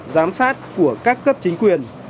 giám sát của các cấp chính quyền